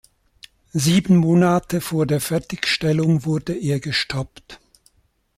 Sieben Monate vor der Fertigstellung wurde er gestoppt.